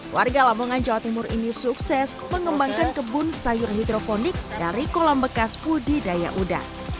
warga lamongan jawa timur ini sukses mengembangkan kebun sayur hidroponik dari kolam bekas budidaya udang